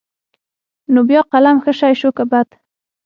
نو بيا قلم ښه شى شو که بد.